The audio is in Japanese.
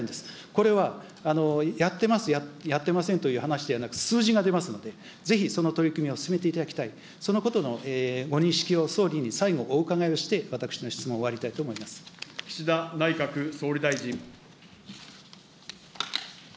これは、やってます、やってませんという話ではなく、数字が出ますので、ぜひその取り組みを進めていただきたい、そのことのご認識を総理に最後、お伺いをして、岸田内閣総理大臣。